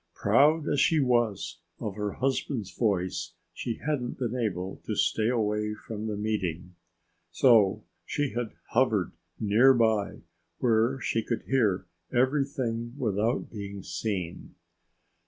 Proud as she was of her husband's voice, she hadn't been able to stay away from the meeting. So she had hovered near by, where she could hear everything without being seen.